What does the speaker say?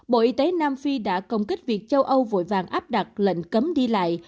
bộ y tế nam phi đã công kích việc châu âu vội vàng áp đặt lệnh cấm đi lại